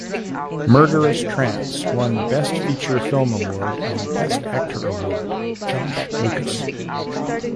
Murderous Trance won Best Feature Film Award and Best Actor Award (Josh Lucas).